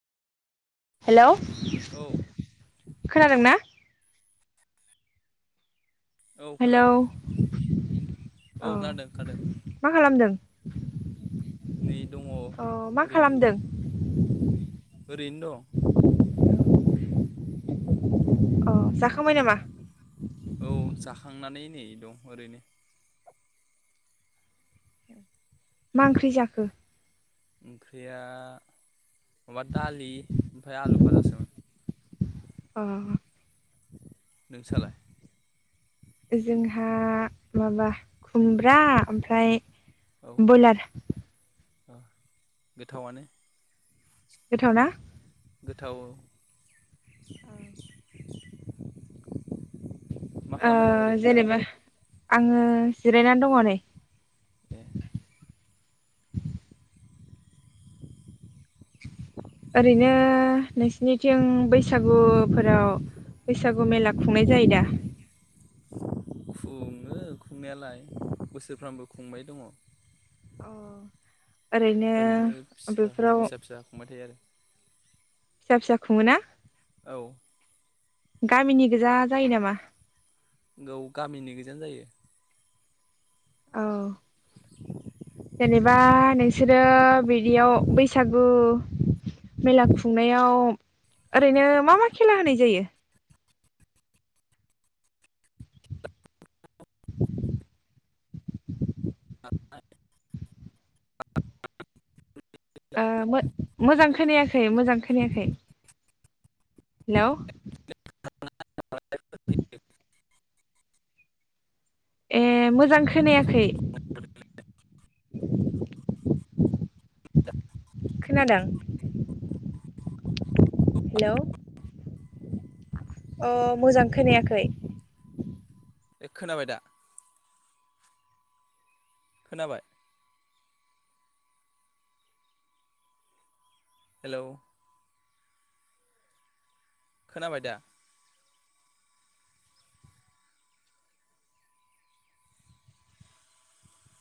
Hello. औ खोनादोंना? औ हेलौ खोनादों औ खोनादों खोनादों मा खालामदों? नै दङ अ मा ओरैनो खालामदों ओरैनो दं। अ जाखांबाय नामा? औ जाखांनानै नै दं ओरैनो। मा ओंख्रि जाखो? ओंख्रिया माबा दालि ओमफाय आलु फाजा सोमोन। अ नोंसालाय? था माबा खुमब्रा ओमफ्राय औ बयलार। गोथावानो। गोथावना? गोथाववो। औ। मा ओ खालामबाय दं ओरैनो दा जेनेबा आङो जिरायना दङ' नै। ए ओरैनो नोंसिनिथिं बैसागुफोराव बैसागु मेला खुंनाय जायो दा? खुङो खुंनायालाय बोसोरफ्रामबो खुंबाय दङ'। अ ओरैनो फिसाहा बेफोराव फिसा फिसा खुंबाय थायो आरो। फिसा फिसा खुङोना? आरो औ गामिनि गोजा जायो नामा? गौ गामिनि गोजायानो जायो। औ जेनेबा नोंसोरो बिदियाव बैसागु मेला खुंनायाव ओरैनो मा मा खेला होनाय जायो? [inaudible] ओ मो मोजां खोनायाखै मोजां खोनायाखै। हेलौ। [unintelligible] [unintelligible] ए मोजां खो खोनायाखै। खोनादों? हेलौ। अ मोजां खोनायाखै ए खोनाबाय दा खोनाबाय हेलौ खोनाबाय दा